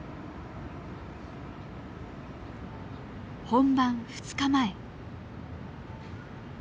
本番２日前。